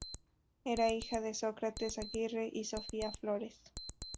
Era hija de Sócrates Aguirre y Sofía Flores.